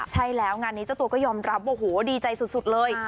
ใช่แล้วงานนี้เจ้าตัวก็ยอมรับว่าโหดีใจสุดเลย